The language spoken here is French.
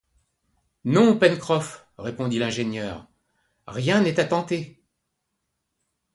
Non, Pencroff, répondit l’ingénieur, rien n’est à tenter!